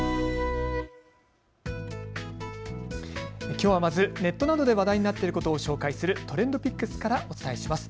きょうはまずネットなどで話題になっていることを紹介するＴｒｅｎｄＰｉｃｋｓからお伝えします。